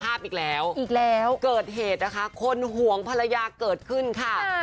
อีกแล้วอีกแล้วเกิดเหตุนะคะคนห่วงภรรยาเกิดขึ้นค่ะ